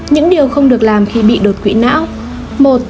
những điều không được làm khi bị đột quỵ não